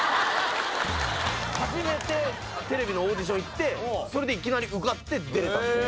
初めてテレビのオーディション行ってそれでいきなり受かって出れた。